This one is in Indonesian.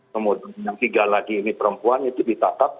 kemudian yang tiga lagi ini perempuan itu ditangkap